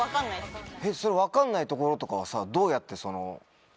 それ分かんないところとかはさどうやってその。